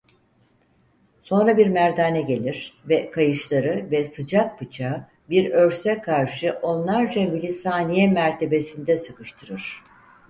Sonra bir merdane gelir ve kayışları ve sıcak bıçağı bir örse karşı onlarca milisaniye mertebesinde sıkıştırır.